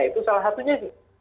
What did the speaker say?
itu salah satunya